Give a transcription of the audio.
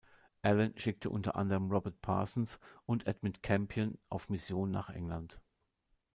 Allen schickte unter anderen Robert Parsons und Edmund Campion auf Mission nach England.